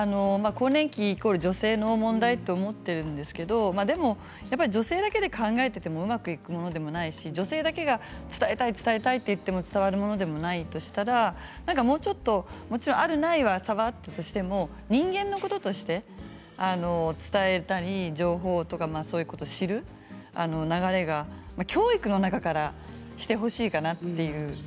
更年期イコール女性の問題と思っているんですけど、でも女性だけで考えていてもうまくいくものでもないし女性だけが伝えたい伝えたいと言っても伝わるものでもないとしたらもうちょっともちろん、あるないは差はあるとしても人間のこととして伝えたり情報とかそういうことを知る流れが、教育の中からしてほしいかなという。